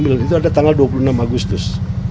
itu ada tanggal dua puluh enam agustus